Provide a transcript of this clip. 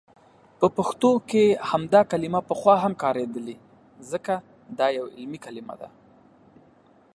په پښتو کې همدا کلمه پخوا هم کاریدلي، ځکه دا یو علمي کلمه ده.